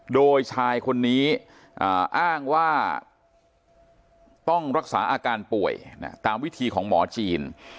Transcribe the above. โดยชายคนนี้อ้างว่าต้องรักษาอาการป่วยตามวิธีของหมอจีน